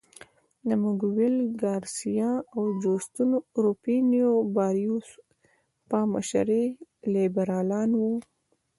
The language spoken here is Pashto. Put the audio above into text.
د مګویل ګارسیا او جوستو روفینو باریوس په مشرۍ لیبرالان وو.